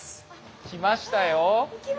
来ましたよ。